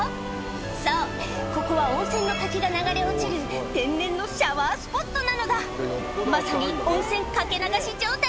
そうここは温泉の滝が流れ落ちる天然のシャワースポットなのだまさに温泉かけ流し状態！